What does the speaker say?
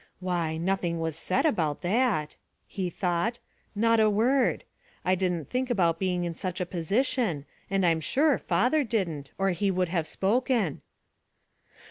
Why, nothing was said about that," he thought, "not a word. I didn't think about being in such a position, and I'm sure father didn't, or he would have spoken.